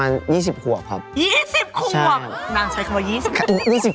นางใช้คำว่า๒๐ขวบ